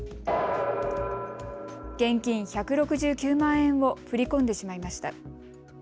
現金１６９万円を振り込んでしまいました。